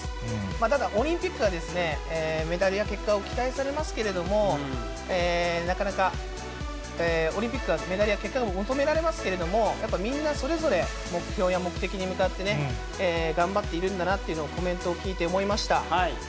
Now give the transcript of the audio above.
ただオリンピックはメダルや結果を期待されますけれども、なかなか、オリンピックはメダルや結果が求められますけれども、やっぱりみんなそれぞれ、目標や目的に向かって頑張っているんだなっていうのを、コメントを聞いて思いました。